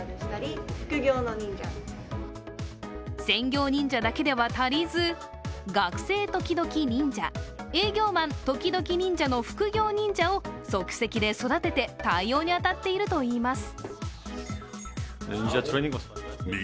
専業忍者だけでは足りず、学生時々忍者、営業マン時々忍者の副業忍者を即席で育てて対応に当たっているといいます。